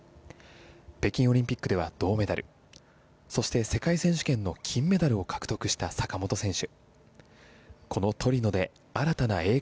北京オリンピックでは銅メダルそして、世界選手権の金メダルを獲得した坂本選手。